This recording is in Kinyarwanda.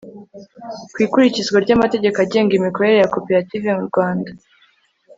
ku ikurikizwa ry'amategeko agenga imikorere ya koperative mu rwanda